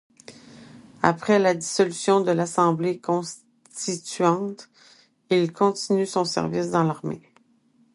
Après la dissolution de l'Assemblée constituante, il continue son service dans l'armée.